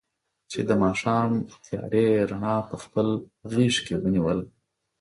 چې د ماښام تیارې رڼا په خپل غېږ کې ونیوله.